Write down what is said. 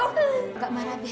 nggak marah be